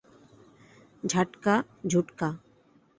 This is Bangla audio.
ঝাটকা, ঝুটকা।